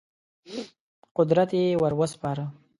قدرت یې ور وسپاره.